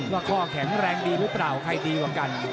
ว่าข้อแข็งแรงดีหรือเปล่าใครดีกว่ากัน